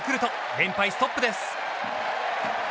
連敗ストップです。